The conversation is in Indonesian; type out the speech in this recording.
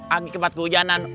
lagi kembat keujanan